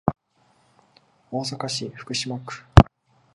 大阪市福島区